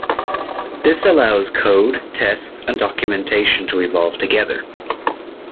This allows code, tests, and documentation to evolve together.